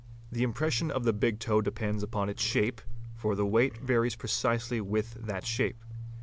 The impression of the big toe depends upon its shape, for the weight varies precisely with that shape.